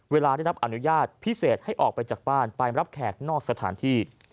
ได้รับอนุญาตพิเศษให้ออกไปจากบ้านไปรับแขกนอกสถานที่